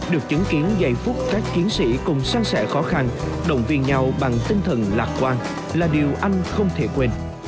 được chứng kiến giây phút các chiến sĩ cùng sang sẻ khó khăn động viên nhau bằng tinh thần lạc quan là điều anh không thể quên